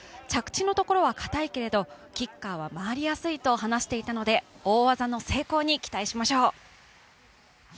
着地のところはかたいけれどキッカーは回りやすいと話していたので大技の成功に期待しましょう。